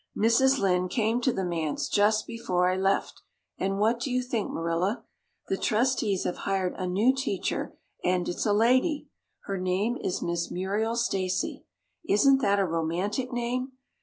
Mrs. Lynde came to the manse just before I left, and what do you think, Marilla? The trustees have hired a new teacher and it's a lady. Her name is Miss Muriel Stacy. Isn't that a romantic name?